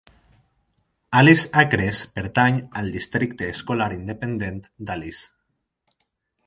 Alice Acres pertany al districte escolar independent d'Alice.